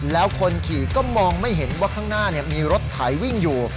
แล้วคนขี่ก็มองไม่เห็นว่าข้างหน้ามีรถไถวิ่งอยู่